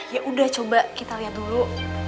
yaudah coba kita liat dulu